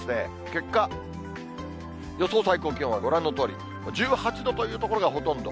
結果、予想最高気温はご覧のとおり、１８度という所がほとんど。